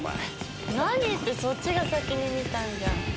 何ってそっちが先に見たんじゃん。